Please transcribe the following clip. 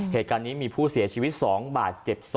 เหตุการณ์นี้มีผู้เสียชีวิต๒บาท๗๒